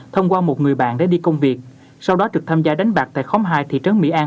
thông qua một người bạn để đi công việc sau đó trực tham gia đánh bạc tại khóm hai thị trấn mỹ an